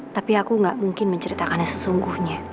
tapi aku gak mungkin menceritakannya sesungguhnya